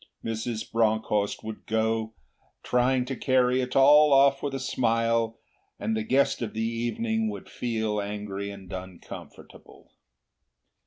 Mrs. Bronckhorst would go, trying to carry it all off with a smile; and the guest of the evening would feel angry and uncomfortable.